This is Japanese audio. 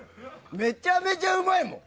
めちゃめちゃうまいもん。